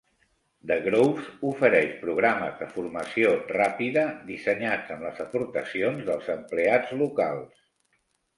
The Groves ofereix programes de formació ràpida dissenyats amb les aportacions dels empleats locals.